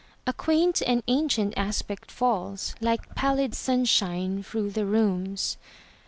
A quaint and ancient aspect falls Like pallid sunshine through the rooms.